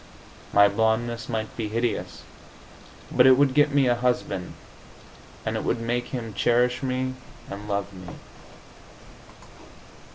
My blondeness might be hideous, but it would get me a husband, and it would make him cherish me and love me.